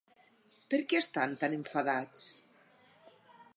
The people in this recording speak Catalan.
Per què estan tan enfadats?